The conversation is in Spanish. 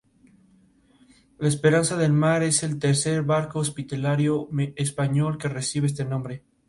El "Esperanza del Mar" es el tercer barco hospitalario español que recibe este nombre.